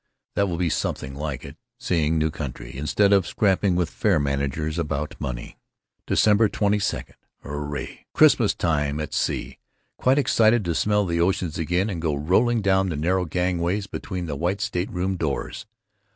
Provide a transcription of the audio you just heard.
That will be something like it, seeing new country instead of scrapping with fair managers about money. December 22: Hoorray! Christmas time at sea! Quite excite to smell the ocean again and go rolling down the narrow gangways between the white state room doors.